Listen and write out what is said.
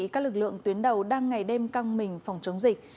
các lực lượng tuyến đầu đang ngày đêm căng mình phòng chống dịch